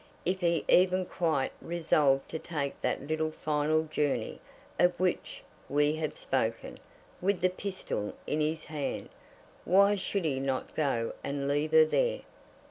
If he even quite resolved to take that little final journey of which we have spoken, with the pistol in his hand, why should he not go and leave her there?